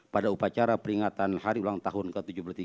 pada upacara peringatan hari ulang tahun ke tujuh puluh tiga